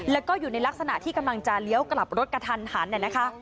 แล้วก็อยู่ในลักษณะที่กำลังจะเลี้ยวกลับรถกระทันหันนะคะ